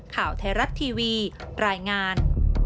ข่าวไทยรัฐทีวีรายงาน